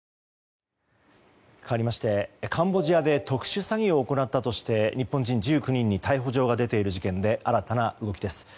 かわりましてカンボジアで特殊詐欺を行ったとして日本人１９人に逮捕状が出ている事件で新たな動きです。